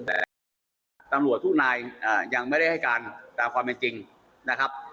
แต่ตำรวจทุกนายยังไม่ได้ให้การตามความเป็นจริงนะครับ